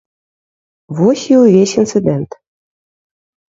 Вось і ўвесь інцыдэнт.